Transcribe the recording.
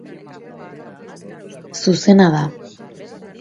Zuzena da.